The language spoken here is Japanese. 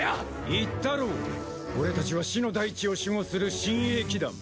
言ったろ俺たちは死の大地を守護する親衛騎団。